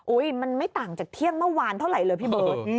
มันไม่ต่างจากเที่ยงเมื่อวานเท่าไหร่เลยพี่เบิร์ต